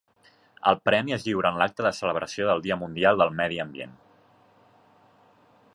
El premi es lliura en l'acte de celebració del Dia Mundial del Medi Ambient.